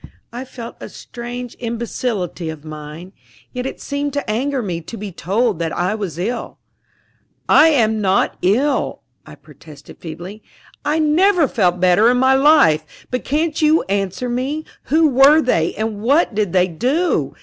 I felt a strange imbecility of mind, yet it seemed to anger me to be told that I was ill. "I am not ill," I protested feebly. "I never felt better in my life! But can't you answer me who were they, and what did they do?